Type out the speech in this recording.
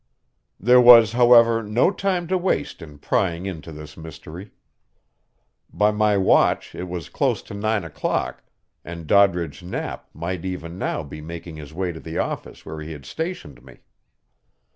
There was, however, no time to waste in prying into this mystery. By my watch it was close on nine o'clock, and Doddridge Knapp might even now be making his way to the office where he had stationed me.